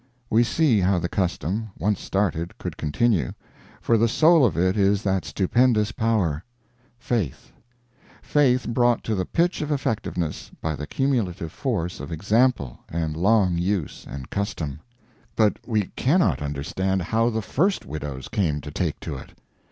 We see how the custom, once started, could continue, for the soul of it is that stupendous power, Faith; faith brought to the pitch of effectiveness by the cumulative force of example and long use and custom; but we cannot understand how the first widows came to take to it.